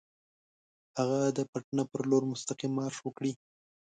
هغه د پټنه پر لور مستقیم مارش وکړي.